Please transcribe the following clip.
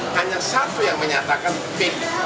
hanya satu yang menyatakan fit